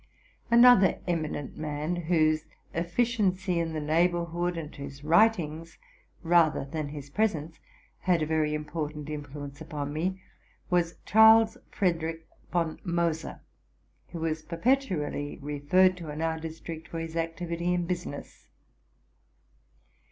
Another eminent man, whose efficiency in the neighbor hood and whose writings, rather than his presence, had a very important influence upon me, was Charles Frederick von Moser, who was perpetually referred to in our dis trict for his activity in business.